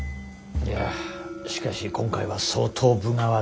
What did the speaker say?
いやしかし今回は相当分が悪い。